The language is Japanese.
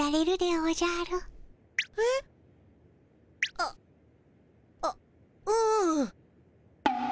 あっあっうん。